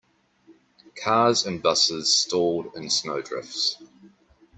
Cars and busses stalled in snow drifts.